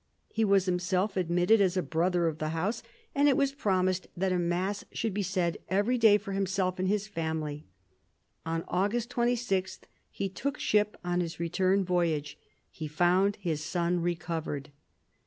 He was himself admitted as a brother of the house, and it was promised that a mass should be said every day for himself and his family. On August 26 he took ship on his return voyage. He found his son recovered.